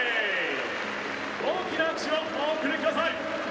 大きな拍手をお送りください